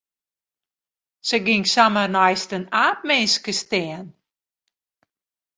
Se gyng samar neist de aapminske stean.